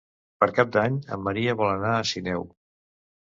Per Cap d'Any en Maria vol anar a Sineu.